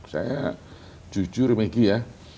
saya jujur meggy ya